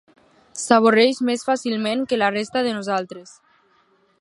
S'avorreix més fàcilment que la resta de nosaltres.